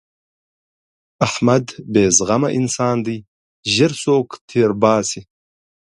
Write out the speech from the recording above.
احمد بې زغمه انسان دی؛ ژر سوک تر باسي.